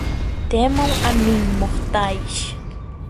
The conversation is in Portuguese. Temam a mim, mortais